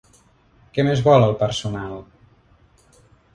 Què més vol, el personal?